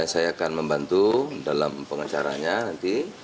saya akan membantu dalam pengacaranya nanti